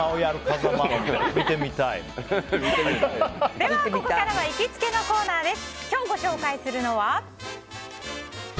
では、ここからは行きつけのコーナーです。